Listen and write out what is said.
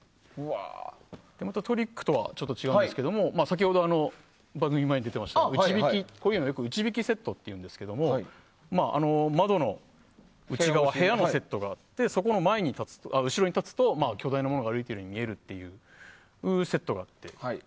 トリックとはまた違うんですけど先ほども出ていましたがこういうのは内引きセットっていうんですけど窓の内側、部屋のセットがあってその後ろに立つと巨大なものが動いているように見えるというセットがあって。